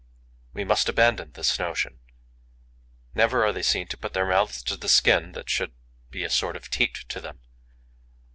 We must abandon this notion. Never are they seen to put their mouths to the skin that should be a sort of teat to them.